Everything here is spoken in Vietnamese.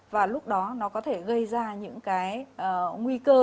và lúc đó nó có thể gây ra những cái nguy cơ